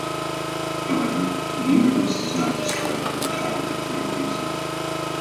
However, the universe is not destroyed for not entirely clear reasons.